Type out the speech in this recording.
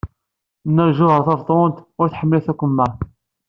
Nna Lǧuheṛ Tabetṛunt ur tḥemmel takemmart.